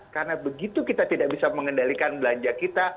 karena begitu kita tidak bisa mengendalikan belanja kita